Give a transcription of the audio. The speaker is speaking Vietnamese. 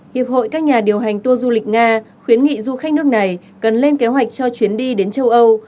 hiệp hội các nhà điều hành tour du lịch nga khuyến nghị du khách nước này cần lên kế hoạch cho chuyến đi đến châu âu